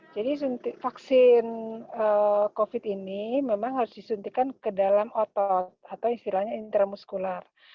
jadi vaksin covid sembilan belas ini memang harus disuntikan ke dalam otot atau istilahnya intramuskular